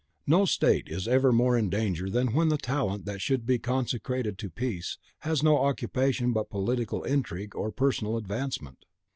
No state is ever more in danger than when the talent that should be consecrated to peace has no occupation but political intrigue or personal advancement.